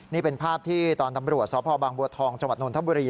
นี่เป็นภาพที่ตอนตำรวจสพบางบัวทองจังหวัดนทบุรี